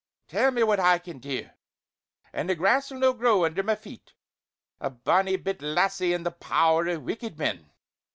Tell me what I can dae, an' the grass'll no grow under my feet. A bonnie bit lassie in the power o' wicked men!